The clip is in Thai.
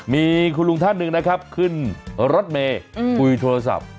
มีคุณลุงท่านหนึ่งนะครับขึ้นรถเมย์คุยโทรศัพท์